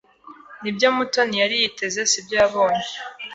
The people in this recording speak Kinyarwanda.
Nibyo Mutoni yari yiteze sibyo yabonye.